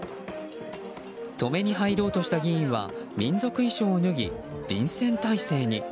止めに入ろうとした議員は民族衣装を脱ぎ臨戦態勢に。